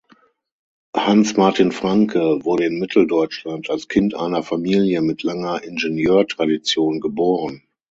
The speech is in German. Hans Martin Franke wurde in Mitteldeutschland als Kind einer Familie mit langer Ingenieurtradition geboren.